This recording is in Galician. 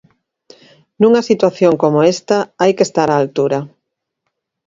Nunha situación como esta hai que estar á altura.